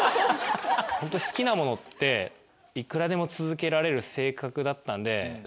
好きなものっていくらでも続けられる性格だったんで。